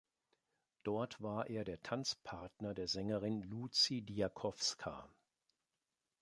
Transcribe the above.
Dort war er der Tanzpartner der Sängerin Lucy Diakovska.